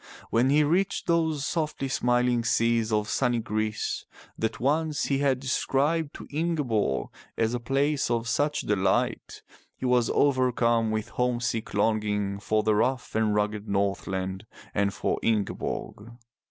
When he reached those softly smiling seas of sunny Greece, that once he had described to Ingeborg as a place of such delight, he was overcome with homesick longing for the rough and rugged Northland and for Ingeborg.